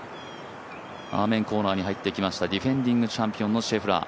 アーメンコーナーに入ってきましたディフェンディングチャンピオンのシェフラー。